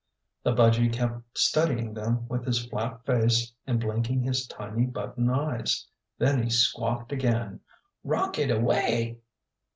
The budgy kept studying them with his flat face and blinking his tiny button eyes. Then he squawked again, "Rocket away!"